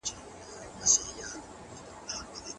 ټولګي تمرین څنګه د زده کوونکو تمرکز زیاتوي؟